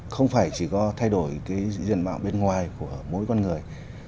không phải chỉ có thay đổi cái diện mạo bên ngoài của mỗi con người